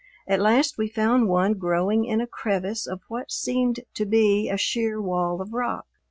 At last we found one growing in a crevice of what seemed to be a sheer wall of rock.